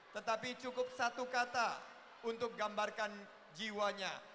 tetapi cukup satu kata untuk gambarkan jiwanya